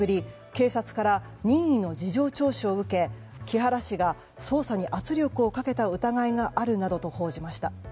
警察から任意の事情聴取を受け木原氏が捜査に圧力をかけた疑いがあるなどと報じました。